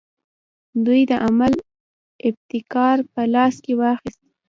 دوی د عمل ابتکار په لاس کې واخیست.